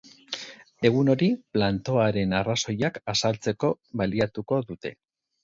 Egun hori plantoaren arrazoiak azaltzeko baliatuko dute.